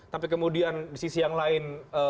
tapi kemudian di sisi yang lain